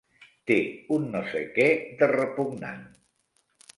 Té un no sé què de repugnant.